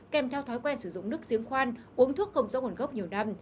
kèm theo thói quen sử dụng nước giếng khoan uống thuốc không rõ nguồn gốc nhiều năm